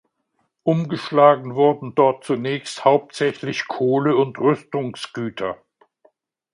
Umgeschlagen wurden dort zunächst hauptsächlich Kohle und Rüstungsgüter.